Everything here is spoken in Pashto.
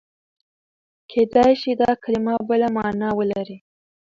کېدای شي دا کلمه بله مانا ولري.